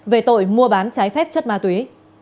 về tội mua bán trái phép chất ma túy